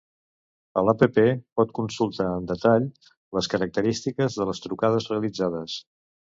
A l'App pot consultar en detall les característiques de les trucades realitzades.